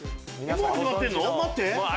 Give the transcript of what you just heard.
もう始まってんの？